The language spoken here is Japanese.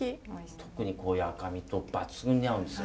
特にこういう赤身と抜群に合うんですよ。